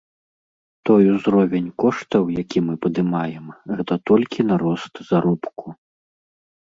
Той узровень коштаў, які мы падымаем, гэта толькі на рост заробку.